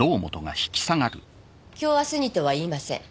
今日明日にとは言いません